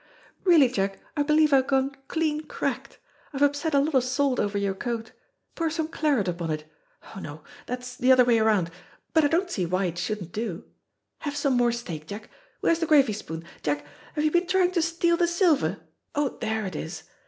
"Really, Jack, I believe I've gone clean cracked. I've upset a lot of salt over your coat. Pour some claret upon it. Oh, no, that's the other way round, but I don't see why it shouldn't do. Have some more steak, Jack. Where's the gravy spoon? Jack, have you been trying to steal the silver? Oh, there it is.